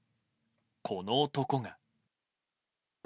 この男が。